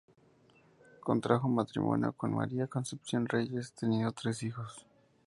Contrajo matrimonio con María Concepción Reyes, teniendo tres hijos.